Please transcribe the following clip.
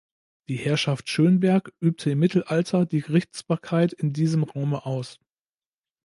Die Herrschaft Schönberg übte im Mittelalter die Gerichtsbarkeit in diesem Raume aus.